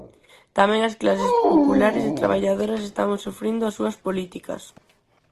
Tamén as clases populares e traballadoras estamos sufrindo as súas políticas.